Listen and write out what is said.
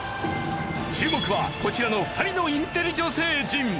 注目はこちらの２人のインテリ女性陣。